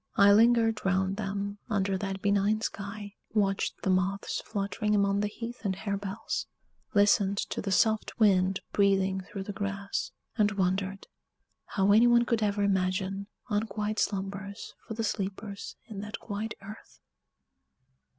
I lingered round them, under that benign sky; watched the moths fluttering among the heath and harebells; listened to the soft wind breathing through the grass; and wondered how any one could ever imagine unquiet slumbers for the sleepers in that quiet earth.